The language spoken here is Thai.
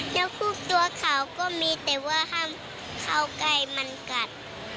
นกคู่ตัวเขาก็มีแต่ว่าห้ามเข้าไก่มันกัด